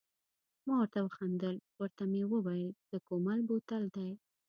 ما ورته و خندل، ورته مې وویل د کومل بوتل دی.